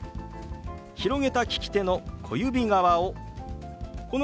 広げた利き手の小指側をこの辺りに２回当てます。